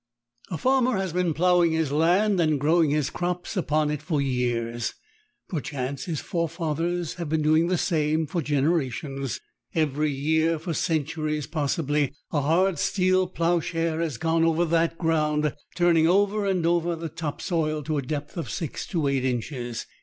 A farmer has been ploughing his land and growing his crops upon it for years. Perchance his forefathers have been doing the same for generations. Every year, for centuries possibly, a hard steel ploughshare has gone over that ground, turning over and over the top soil to a depth of six to eight inches.